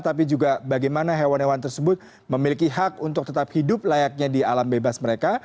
tapi juga bagaimana hewan hewan tersebut memiliki hak untuk tetap hidup layaknya di alam bebas mereka